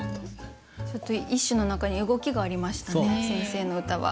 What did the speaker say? ちょっと一首の中に動きがありましたね先生の歌は。